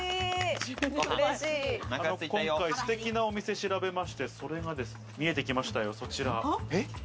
今回、すてきなお店を調べまして、見えてきましたよ、そちら。